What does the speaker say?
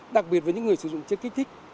đặc biệt với những người sử dụng chất kích thích